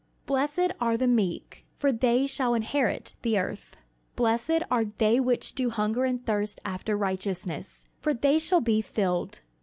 "Blessed are the meek: for they shall inherit the earth. "Blessed are they which do hunger and thirst after righteousness: for they shall be filled.